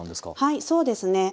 はいそうですね。